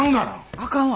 あかんわ。